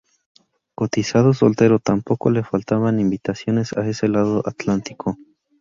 Cotizado soltero, tampoco le faltaban invitaciones a ese lado del Atlántico.